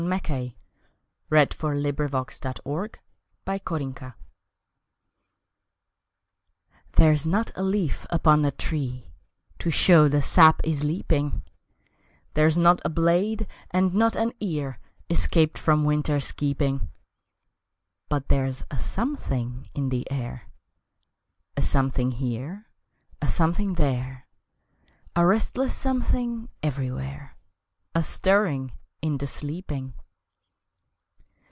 "I saw," she said, "I saw" and spake no more. The Miracle THERE'S not a leaf upon the tree To show the sap is leaping, There's not a blade and not an ear Escaped from winter's keeping But there's a something in the air A something here, a something there, A restless something everywhere A stirring in the sleeping!